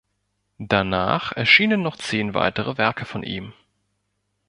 Danach erschienen noch zehn weitere Werke von ihm.